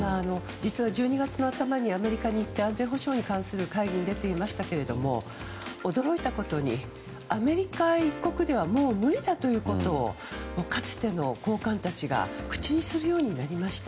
実は１２月の頭にアメリカに行って安全保障に関する会議に出ていましたけども驚いたことにアメリカ一国ではもう無理だということをかつての高官たちが口にするようになりました。